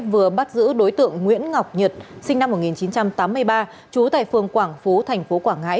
vừa bắt giữ đối tượng nguyễn ngọc nhật sinh năm một nghìn chín trăm tám mươi ba trú tại phường quảng phú thành phố quảng ngãi